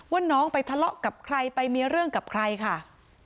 ว่าน้องไปทะเลาะกับใครไปมีเรื่องกับใครค่ะ